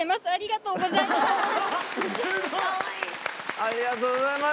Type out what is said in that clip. ありがとうございます！